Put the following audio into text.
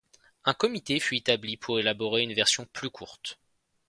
Un comité fut établi pour élaborer une version plus courte.